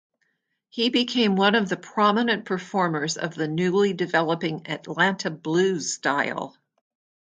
He became one of the prominent performers of the newly developing Atlanta blues style.